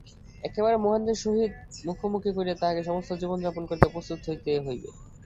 একেবারে মহেন্দ্রের সহিত মুখোমুখি করিয়া তাহাকে সমস্ত জীবন যাপন করিতে প্রস্তুত হইতে হইবে।